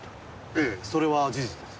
ええそれは事実です。